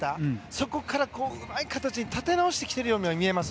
そこからうまい形に立て直してきているように見えます。